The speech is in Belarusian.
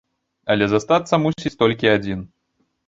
Але застацца мусіць толькі адзін!